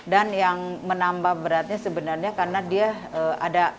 yang menambah beratnya sebenarnya karena dia ada